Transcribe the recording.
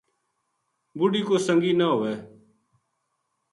بڈھی کو سنگی نہ ہووے